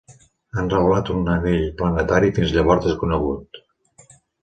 Han revelat un anell planetari fins llavors desconegut.